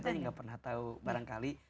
kita juga gak pernah tahu barangkali